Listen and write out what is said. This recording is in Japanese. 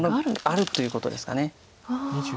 あるということですか。